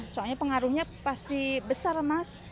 soalnya pengaruhnya pasti besar mas